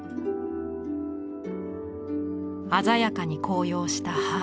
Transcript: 鮮やかに紅葉した葉。